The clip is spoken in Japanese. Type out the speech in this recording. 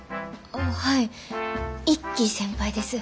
はい１期先輩です。